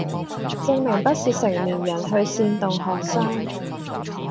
證明不是成年人去煽動學生